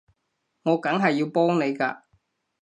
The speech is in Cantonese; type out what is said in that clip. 我梗係要幫你㗎